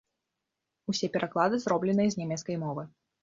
Усе пераклады зробленыя з нямецкай мовы.